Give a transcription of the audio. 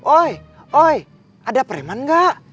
oi oi ada preman nggak